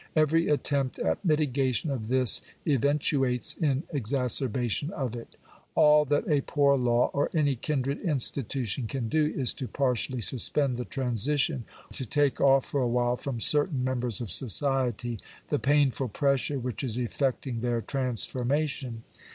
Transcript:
Every attempt at mitigation of this eventuates in exacerbation of it. All "that a poor law, or any kindred insti i tution can do, is to partially suspend the transition — to take off I for awhile, from certain members of society, the painful pressure | which is effecting their transformation.